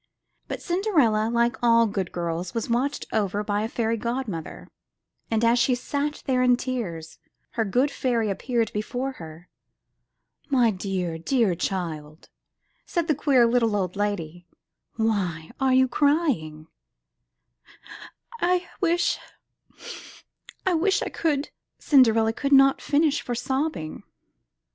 But Cinderella, like all good girls, was watched over by a fairy godmother, and as she sat there in tears, her good fairy appeared before her. ''My dear, dear child," said the queer little old lady, "why are you crying?'' *'I wish — I wish I could —," Cinderella could not finish for sobbing.